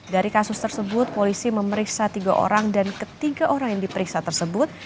dari kasus tersebut polisi memeriksa tiga orang dan ketiga orang yang diperiksa tersebut